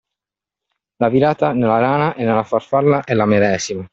La virata nella rana e nella farfalla è la medesima